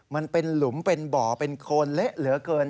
มันเป็นหลุมเป็นบ่อเป็นโคนเละเหลือเกิน